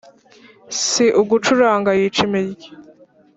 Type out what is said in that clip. Si ugucuranga ayica imirya